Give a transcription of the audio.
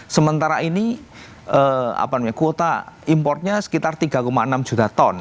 sementara ini kuota importnya sekitar tiga enam juta ton